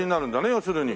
要するに。